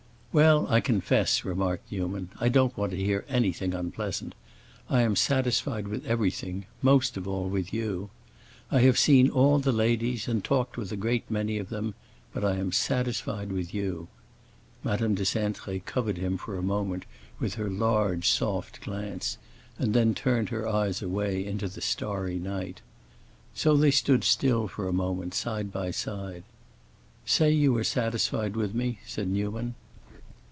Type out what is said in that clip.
"Well, I confess," remarked Newman, "I don't want to hear anything unpleasant. I am satisfied with everything—most of all with you. I have seen all the ladies and talked with a great many of them; but I am satisfied with you." Madame de Cintré covered him for a moment with her large, soft glance, and then turned her eyes away into the starry night. So they stood silent a moment, side by side. "Say you are satisfied with me," said Newman.